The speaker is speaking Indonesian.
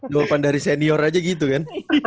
luapan dari senior aja gitu kan